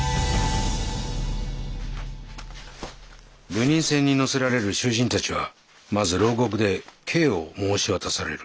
流人船に乗せられる囚人たちはまず牢獄で刑を申し渡される。